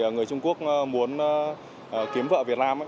người trung quốc muốn kiếm vợ việt nam